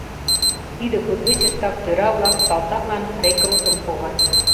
Тиде кудывечыштак тӧра-влак салтаклан рекрутым погат...